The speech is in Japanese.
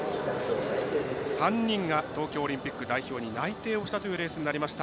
３人が東京オリンピック代表に内定をしたというレースになりました。